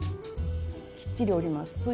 きっちり折ります。